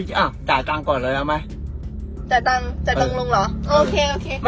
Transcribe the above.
อะจริงอะจ่ายตังก่อนเลยเอาไหม